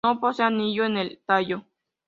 No posee anillo en el tallo.